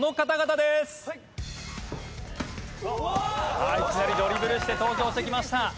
さあいきなりドリブルして登場してきました。